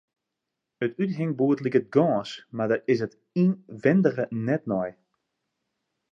It úthingboerd liket gâns, mar dêr is 't ynwindige net nei.